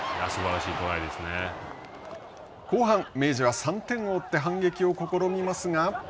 後半、明治は３点を追って反撃を試みますが。